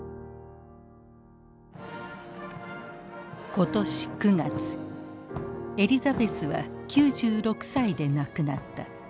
今年９月エリザベスは９６歳で亡くなった。